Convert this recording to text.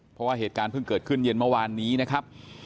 เพราะว่าเหตุการณ์เพิ่งเกิดขึ้นเย็นเมื่อวานนี้นะครับ